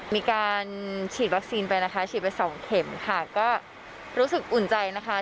มีการฉีดวัคซีนไปนะคะฉีดไปสองเข็มค่ะก็รู้สึกอุ่นใจนะคะ